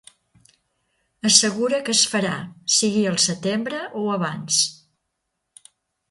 Assegura que es farà, sigui al setembre o abans.